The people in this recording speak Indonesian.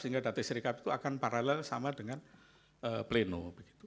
sehingga data serikat itu akan paralel sama dengan pleno